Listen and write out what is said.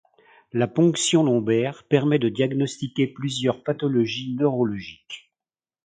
La ponction lombaire permet de diagnostiquer plusieurs pathologies neurologiques.